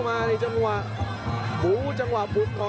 พยายามจะไถ่หน้านี่ครับการต้องเตือนเลยครับ